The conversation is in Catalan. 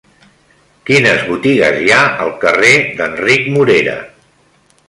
Quines botigues hi ha al carrer d'Enric Morera?